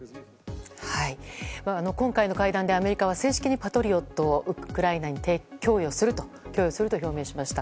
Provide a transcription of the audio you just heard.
今回の会談でアメリカは正式にパトリオットをウクライナに供与すると表明しました。